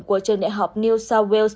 của trường đại học new south wales